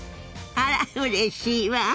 あらうれしいわ。